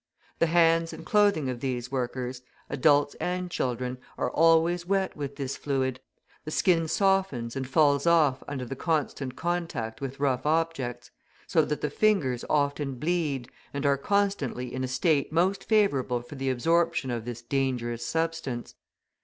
The hands and clothing of these workers, adults and children, are always wet with this fluid, the skin softens and falls off under the constant contact with rough objects, so that the fingers often bleed, and are constantly in a state most favourable for the absorption of this dangerous substance.